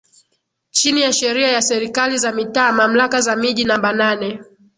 Chini ya Sheria ya Serikali za Mitaa Mamlaka za Miji namba nane